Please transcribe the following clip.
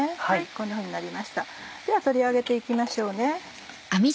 こんなふうになりましたでは取り上げて行きましょう。